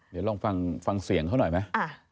เดี๋ยวลองฟังเสียงเขาหน่อยไหม